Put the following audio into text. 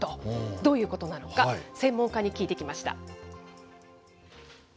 どういうことなのか、専門家に聞いてきました。